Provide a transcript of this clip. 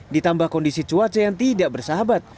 ditambah kondisi cuaca yang tidak bersahabat